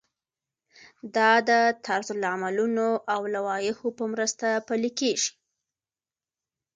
دا د طرزالعملونو او لوایحو په مرسته پلی کیږي.